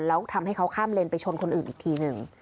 แล้วทำให้เขาข้ามเลนไปชนคนอื่นอีกทีหนึ่ง